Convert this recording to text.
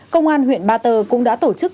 công an huyện ba tơ cũng đã tổ chức